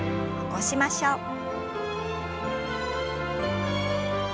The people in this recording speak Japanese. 起こしましょう。